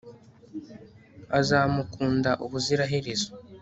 azamukunda ubuziraherezo